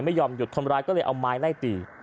ไม่ยอมหยุดคนร้ายก็เลยเอาไม้ไล่ตี